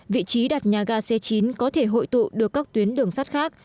vị trí đặt nhà ga c chín có thể hội tụ được các tuyến đường sắt khác